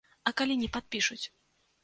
А калі не падпішуць?